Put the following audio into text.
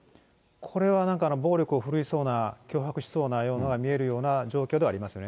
これはなんか、暴力を振るいそうな、脅迫しそうなものが見えるような状況ではありますね。